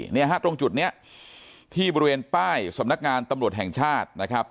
เนี่ยฮะตรงจุดนี้ที่บริเวณป้ายสำนักงานตำรวจแห่งชาตินะครับ